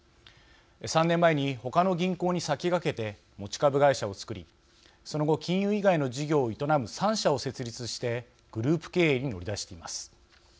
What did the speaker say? ３年前に他の銀行に先駆けて持ち株会社を作りその後、金融以外の事業を営む３社を設立してグループ経営に乗り出しています。